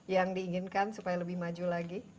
yang diinginkan supaya lebih maju lagi